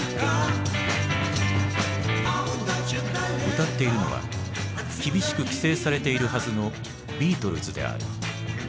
歌っているのは厳しく規制されているはずのビートルズである。